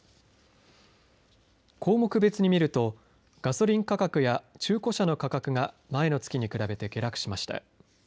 項目別に見るとガソリン価格や中古車の価格が前の月に比べて下落しました。